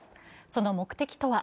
その目的とは。